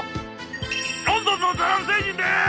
「ロンドンのザラブ星人です！